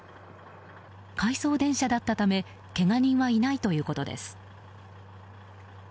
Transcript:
回送電車だったためけが人はいないということです。